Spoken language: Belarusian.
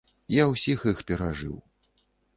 Я усіх іх перажыў.